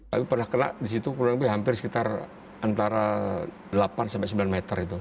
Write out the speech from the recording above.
tapi pernah kena di situ kurang lebih hampir sekitar antara delapan sampai sembilan meter itu